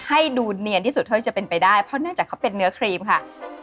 ให้ดูเนียนที่สุดเท่าที่จะเป็นไปได้เพราะเนื่องจากเขาเป็นเนื้อครีมค่ะ